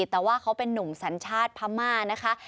แต่ว่าเขาเป็นนุ่มสัญชาติพม่านะคะ